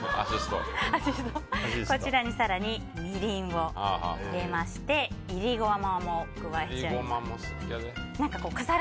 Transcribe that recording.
こちらに更にみりんを入れまして煎りゴマも加えちゃいます。